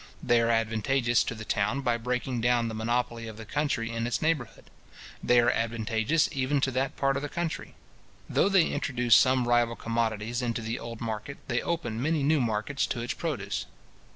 They are advantageous to the town by breaking down the monopoly of the country in its neighbourhood. They are advantageous even to that part of the country. Though they introduce some rival commodities into the old market, they open many new markets to its produce.